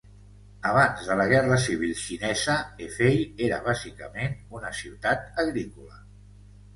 Abans de la Guerra Civil Xinesa, Hefei era bàsicament una ciutat agrícola.